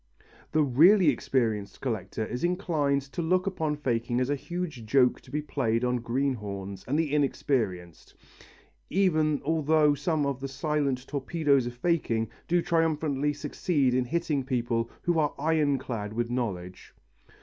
The really experienced collector is inclined to look upon faking as a huge joke to be played on greenhorns and the inexperienced, even although some of the silent torpedoes of faking do triumphantly succeed in hitting people who are iron clad with knowledge.